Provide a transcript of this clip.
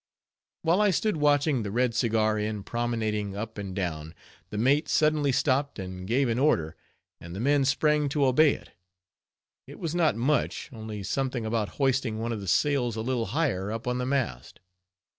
While I stood watching the red cigar end promenading up and down, the mate suddenly stopped and gave an order, and the men sprang to obey it. It was not much, only something about hoisting one of the sails a little higher up on the mast.